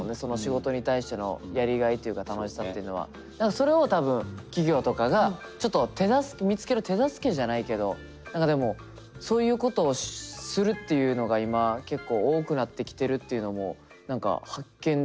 結局それを多分企業とかがちょっと手助け見つける手助けじゃないけど何かでもそういうことをするっていうのが今結構多くなってきてるっていうのも何か発見でしたね。